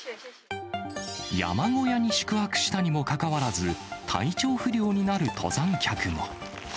山小屋に宿泊したにもかかわらず、体調不良になる登山客も。